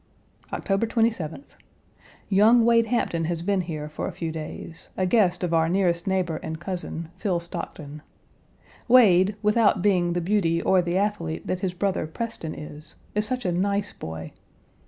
October 27th. Young Wade Hampton has been here for a few days, a guest of our nearest neighbor and cousin, Phil Stockton. Wade, without being the beauty or the athlete that his brother Preston is, is such a nice boy.